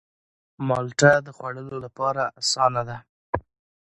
مالټه د خوړلو لپاره آسانه ده.